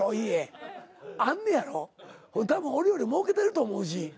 たぶん俺よりもうけてると思うし。